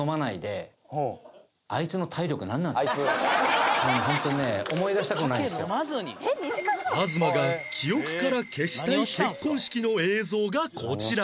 「“あいつ”」東が記憶から消したい結婚式の映像がこちら